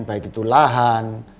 baik itu lahan